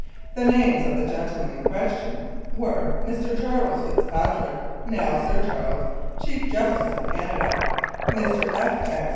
The names of the gentlemen in question were Mr. Charles Fitzpatrick (now Sir Charles, Chief Justice of Canada), Mr. F. X.